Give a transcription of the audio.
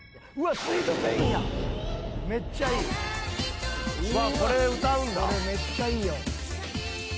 これめっちゃいいよ。